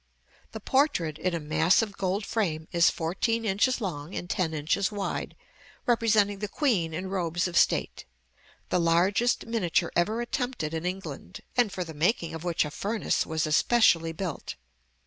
The portrait, in a massive gold frame, is fourteen inches long and ten inches wide, representing the Queen in robes of state, the largest miniature ever attempted in England, and for the making of which a furnace was especially built.